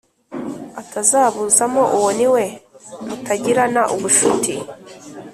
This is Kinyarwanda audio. atazabuzamo uwo niwe mutagirana ubushuti